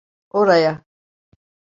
Oraya!